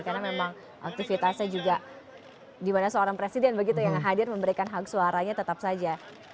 karena memang aktivitasnya juga dimana seorang presiden begitu yang hadir memberikan hak suaranya tetap saja